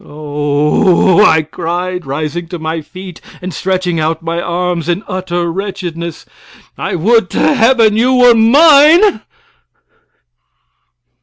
"Oh!" I cried, rising to my feet, and stretching out my arms in utter wretchedness, "I would to Heaven you were mine!"